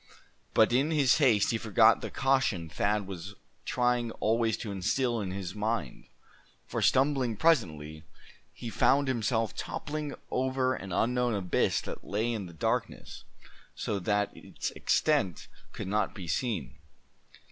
But in his haste he forgot the caution Thad was trying always to instill in his mind; for stumbling presently, he found himself toppling over an unknown abyss that lay in the darkness, so that its extent could not be seen.